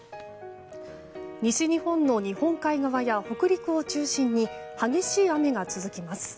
西日本の日本海側や北陸を中心に激しい雨が続きます。